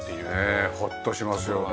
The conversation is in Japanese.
ねえホッとしますよね。